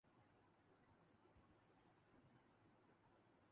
Australian Central Western Standard time